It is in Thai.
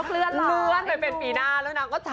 เลือนค่ะ